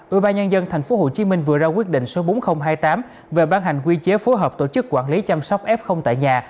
ủy ban nhân dân tp hcm vừa ra quyết định số bốn nghìn hai mươi tám về ban hành quy chế phối hợp tổ chức quản lý chăm sóc f tại nhà